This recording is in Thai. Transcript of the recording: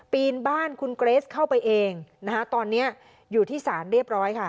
ปีนบ้านคุณเกรสเข้าไปเองนะคะตอนนี้อยู่ที่ศาลเรียบร้อยค่ะ